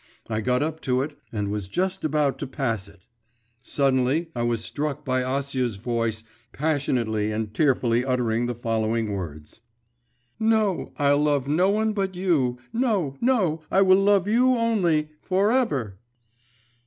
I got up to it and was just about to pass it.… Suddenly I was struck by Acia's voice passionately and tearfully uttering the following words: 'No, I'll love no one but you, no, no, I will love you only, for ever!